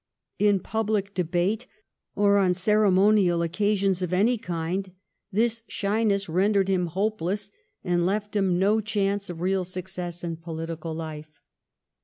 In public debate or on ceremonial occasions of any kind this shyness rendered him hopeless, and left him no chance of real success in political hfe.